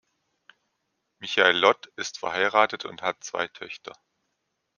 Michael Lott ist verheiratet und hat zwei Töchter.